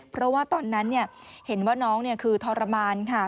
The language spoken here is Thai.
เพราะว่าตอนนั้นเห็นว่าน้องคือทรมานค่ะ